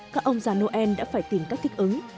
các ông già noel đã phải tìm cách thích ứng